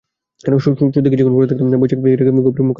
সত্যি কিছুক্ষণ পরে দেখতাম, বৈশাখী রেগে গভীর কালো মুখ করে ধেয়ে আসছে।